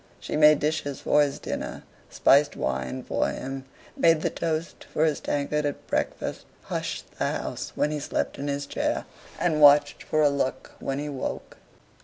She made dishes for his dinner: spiced wine for him: made the toast for his tankard at breakfast: hushed the house when he slept in his chair, and watched for a look when he woke.